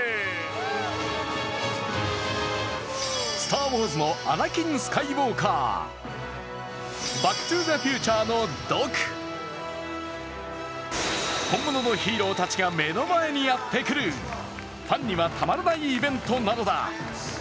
「スター・ウォーズ」のアナキン・スカイウォーカー、「バック・トゥ・ザ・フューチャー」のドク、本物のヒーローたちが目の前にやってくるファンにはたまらないイベントなのだ。